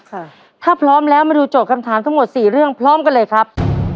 ค่ะถ้าพร้อมแล้วมาดูโจทย์คำถามทั้งหมดสี่เรื่องพร้อมกันเลยครับ